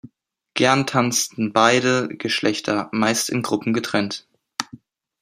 Gern tanzten beide Geschlechter, meist in Gruppen getrennt.